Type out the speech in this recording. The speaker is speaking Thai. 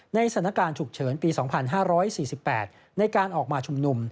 สถานการณ์ฉุกเฉินปี๒๕๔๘ในการออกมาชุมนุม